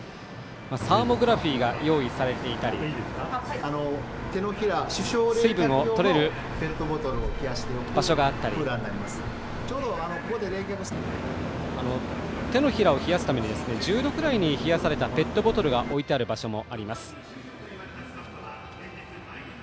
サーモグラフィーが用意されていたり水分を取れる場所があったり手のひらを冷やすために１０度ぐらいに冷やされたペットボトルが置いてある場所もあります。